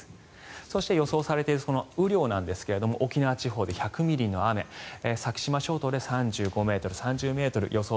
そして、予想されている雨量なんですが沖縄地方で１００ミリの雨先島諸島で３５ｍ、３０ｍ予想